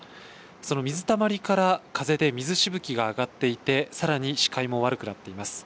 その水たまりから風で水しぶきが上がっていてさらに視界も悪くなっています。